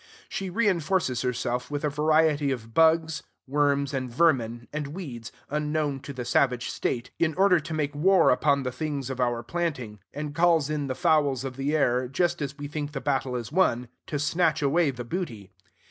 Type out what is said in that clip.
She reenforces herself with a variety of bugs, worms, and vermin, and weeds, unknown to the savage state, in order to make war upon the things of our planting; and calls in the fowls of the air, just as we think the battle is won, to snatch away the booty.